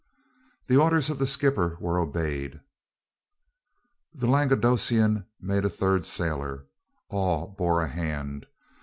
The orders of the skipper were obeyed. The Languedocian made a third sailor. All bore a hand.